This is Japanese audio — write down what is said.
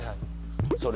それ